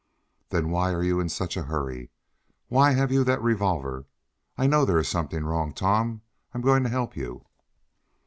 "Then why are you in such a hurry? Why have you that revolver? I know there is something wrong, Tom. I am going to help you!"